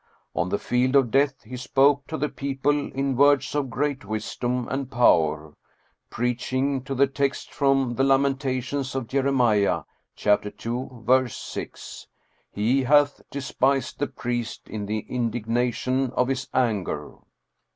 On the field of death he spoke to the people in words of great wisdom and power, preaching to the text from the Lamentations of Jeremiah, chap, ii., verse 6: "He hath despised the priest in the indignation of his anger."